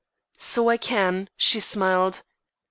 "So I can," she smiled.